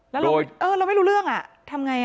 แล้วเราไม่รู้เรื่องทำไง